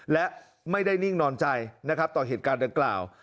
และไม่ได้นิ่งนอนใจนะครับต่อเหตุการณ์ดังกล่าว